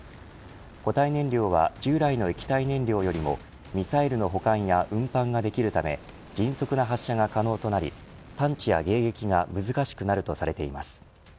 固体燃料は従来の液体燃料よりもミサイルの保管や運搬ができるため迅速な発射が可能となり探知や迎撃が難しくなるとされています。